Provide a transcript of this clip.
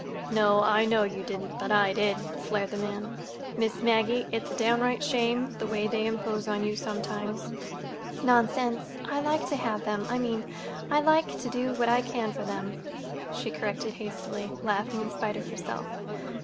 "No, I know you didn't, but I did," flared the man. "Miss Maggie, it's a downright shame—the way they impose on you sometimes." "Nonsense! I like to have them—I mean, I like to do what I can for them," she corrected hastily, laughing in spite of herself.